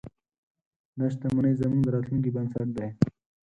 دا شتمنۍ زموږ د راتلونکي بنسټ دی.